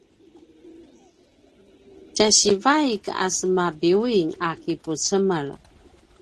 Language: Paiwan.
tja sivaik a semabiuying a kipucemel